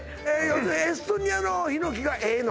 エストニアのヒノキがええの？